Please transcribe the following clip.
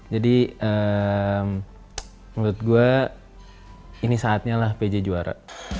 jadi menurut gue ini saatnya lah pj juara